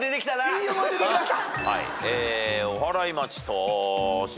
いい思い出できました。